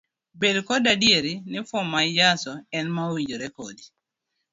Bed koda adier ni fom ma ijaso en ma owinjore kodi.